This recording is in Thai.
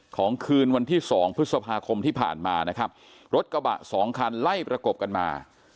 คืนวันที่สองพฤษภาคมที่ผ่านมานะครับรถกระบะสองคันไล่ประกบกันมา